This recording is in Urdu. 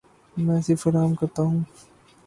میں صرف آرام کرتا ہوں۔